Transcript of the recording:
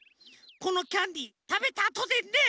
このキャンディーたべたあとでね！